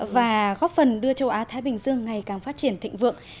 và góp phần đưa châu á thái bình dương ngày càng phát triển thịnh vượng